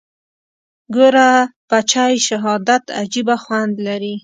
ګوره بچى شهادت عجيبه خوند لري.